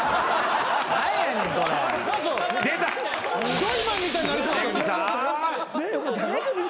ジョイマンみたいになりそうだった。